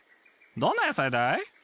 どんな野菜だい？